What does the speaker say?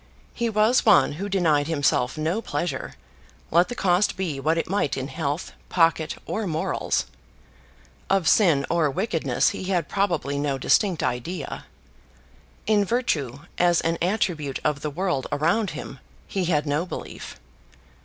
He was one who denied himself no pleasure, let the cost be what it might in health, pocket, or morals. Of sin or wickedness he had probably no distinct idea. In virtue, as an attribute of the world around him, he had no belief.